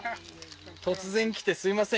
突然来てすいません